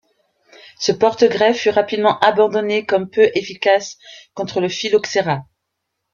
Ce porte-greffe fut rapidement abandonné comme peu efficace contre le phylloxéra.